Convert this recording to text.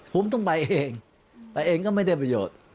ผมต้องไปเองไปเองก็ไม่ได้ประโยชน์